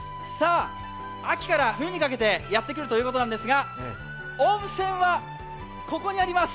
秋から冬にかけてやって来るということなんですが温泉はここにあります！